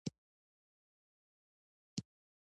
خوځښت د بقا راز دی.